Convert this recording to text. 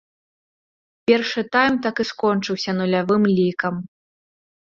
Першы тайм так і скончыўся нулявым лікам.